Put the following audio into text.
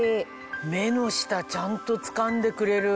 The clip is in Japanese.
目の下ちゃんとつかんでくれる。